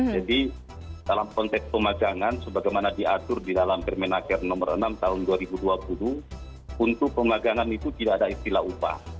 jadi dalam konteks pemagangan sebagaimana diatur di dalam permenager no enam tahun dua ribu dua puluh untuk pemagangan itu tidak ada istilah upah